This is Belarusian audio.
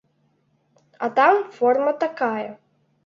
А там форма такая.